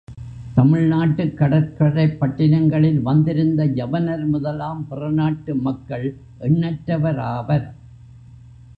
தமிழ் நாட்டுக் கடற்கரைப் பட்டினங்களில் வந்திருந்த யவனர் முதலாம் பிற நாட்டு மக்கள் எண்ணற்றவராவர்.